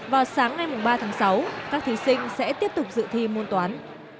vào sáng ngày ba tháng sáu các thí sinh sẽ tiếp tục dự thi môn toán